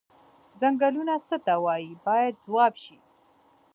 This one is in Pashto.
څنګلونه څه ته وایي باید ځواب شي.